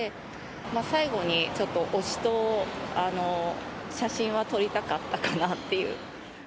最後にちょっと推しと写真は撮りたかったかなっていう。